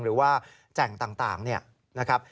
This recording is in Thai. หรือว่าแจ่งต่างเนี่ยนะครับ